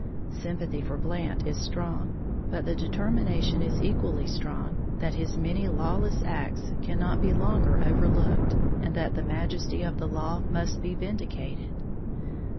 Sympathy for Blant is strong; but the determination is equally strong that his many lawless acts cannot be longer overlooked, and that the majesty of the law must be vindicated.